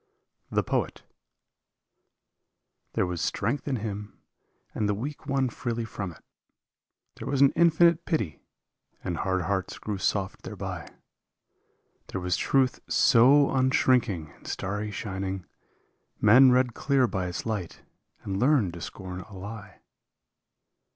147 THE POET There was strength in him and the weak won freely from it, There was an infinite pity, and hard hearts grew soft thereby. There was truth so unshrinking and starry shining, Men read clear by its light and learned to scorn a lie.